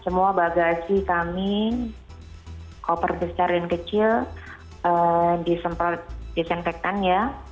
semua bagasi kami koper besar dan kecil disemprot disinfektan ya